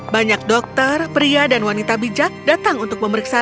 banyak dokter pria dan wanita bijak datang untuk memeriksa